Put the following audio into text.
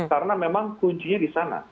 karena memang kuncinya di sana